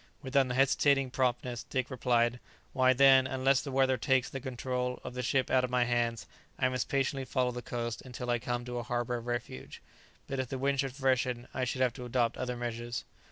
With unhesitating promptness Dick replied, "Why, then, unless the weather takes the control of the ship out of my hands, I must patiently follow the coast until I come to a harbour of refuge. But if the wind should freshen, I should have to adopt other measures."